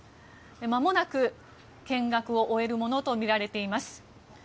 まもなく見学を終えるものとみられています。